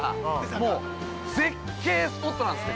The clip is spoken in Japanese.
もう、絶景スポットなんですって。